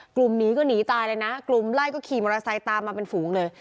หนีก็หนีตายเลยนะกลุ่มไล่ก็ขี่มอเตอร์ไซค์ตามมาเป็นฝูงเลย